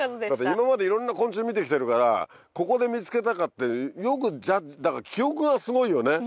今までいろんな昆虫見て来てるからここで見つけたかってよくジャッジ記憶がすごいよね。